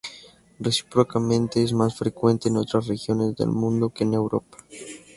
Recíprocamente, es más frecuente en otras regiones del mundo que en Europa.